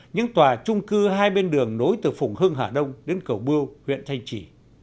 những tòa trung cư hai bên đường nối từ phùng hưng hà đông đến cầu bưu huyện thanh trì